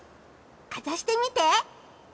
かざしてみて。